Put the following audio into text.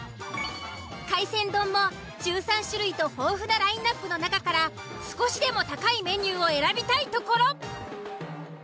海鮮丼も１３種類と豊富なラインアップの中から少しでも高いメニューを選びたいところ。